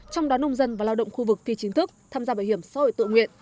trong đó nông dân và lao động khu vực phi chính thức tham gia bảo hiểm xã hội tự nguyện